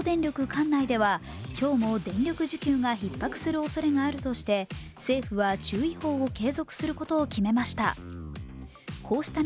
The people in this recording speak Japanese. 管内では今日も電力需給がひっ迫するおそれがあるとして政府は注意報を継続することを決めました。